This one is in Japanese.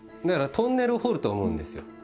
だからトンネルを掘ると思うんですよ。